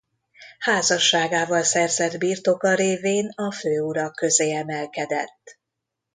Házasságával szerzett birtoka révén a főurak közé emelkedett.